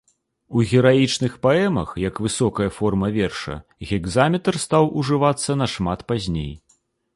У гераічных паэмах, як высокая форма верша, гекзаметр стаў ужывацца нашмат пазней.